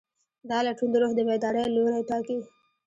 دا لټون د روح د بیدارۍ لوری ټاکي.